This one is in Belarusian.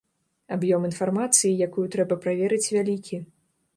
Аб'ём інфармацыі, якую трэба праверыць, вялікі.